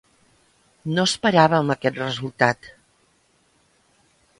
No esperàvem aquest resultat.